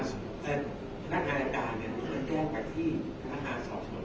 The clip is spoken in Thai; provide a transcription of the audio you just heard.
ก็อยู่ในวิธีของธนาคารธนาคารธนาคารธนาคารธนาคารธนาคาร